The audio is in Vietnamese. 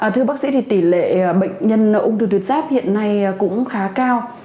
thưa bác sĩ thì tỷ lệ bệnh nhân ung thư tuyệt giáp hiện nay cũng khá cao